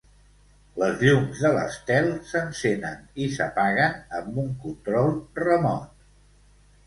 Les llums de l’estel s’encenen i s’apaguen amb un control remot.